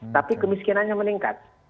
tapi kemiskinannya meningkat